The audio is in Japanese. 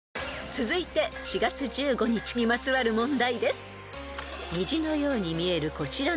［続いて４月１５日にまつわる問題です］